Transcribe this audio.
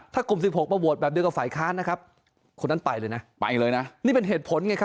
ถ้ากลุ่ม๑๖มาโบวทแบบเดียวกับฝ่ายค้านะครับคนนั้นไปเลยนะ